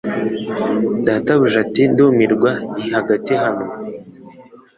Databuja ati Ndamubwira nti Hagati aho